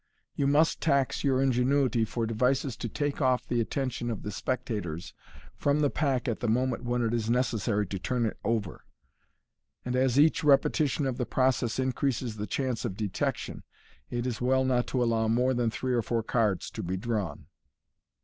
You must tax your ingenuity for devices to take off the attention of the spectators from the pack at the moment when it is necessary to turn it over j and as each repetition of the process increases the chance of detection, it is well not to allow more than three or four cards to be drawn.